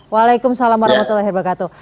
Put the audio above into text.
waalaikumsalam warahmatullahi wabarakatuh